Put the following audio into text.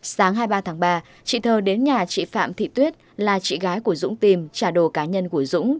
sáng hai mươi ba tháng ba chị thơ đến nhà chị phạm thị tuyết là chị gái của dũng tìm trả đồ cá nhân của dũng